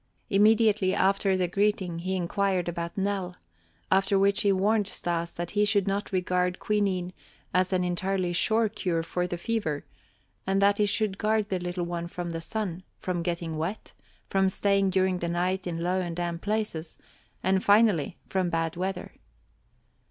Immediately after the greeting he inquired about Nell, after which he warned Stas that he should not regard quinine as an entirely sure cure for the fever and that he should guard the little one from the sun, from getting wet, from staying during the night in low and damp places, and finally from bad water.